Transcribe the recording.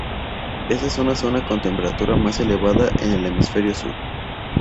Está en una zona con temperatura más elevada en el hemisferio Sur.